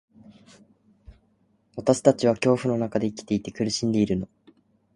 私たちは恐怖の中で生きていて、苦しんでいるの。